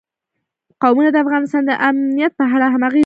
قومونه د افغانستان د امنیت په اړه هم اغېز لري.